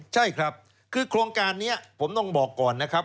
ใช่ครับคือโครงการนี้ผมต้องบอกก่อนนะครับ